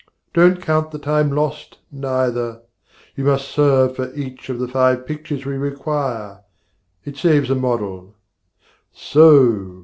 Don't count the time lost, neither; you must serve For each of the five pictures we require: It saves a model. So!